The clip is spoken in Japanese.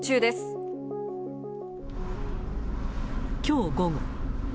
きょう午後。